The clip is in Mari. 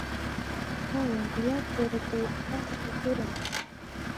Палем, лият поро тый, патырле курым.